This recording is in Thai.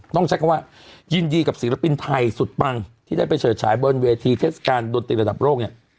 ต้องใช้คำว่ายินดีกับศิลปินไทยสุดปังที่ได้ไปเฉิดฉายบนเวทีเทศกาลดนตรีระดับโลกเนี่ย